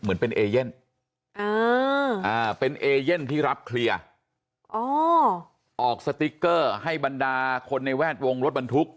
เหมือนเป็นเอเย่นเป็นเอเย่นที่รับเคลียร์ออกสติ๊กเกอร์ให้บรรดาคนในแวดวงรถบรรทุก